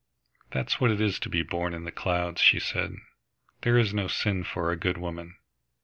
"That's what it is to be born in the clouds," she said. "There is no sin for a good woman."